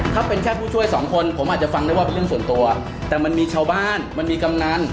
ถ้าเป็นแค่ผู้ช่วยสองคนผมอาจจะฟังได้ว่าเป็นเรื่องส่วนตัวแต่มันมีชาวบ้านมันมีกำนัน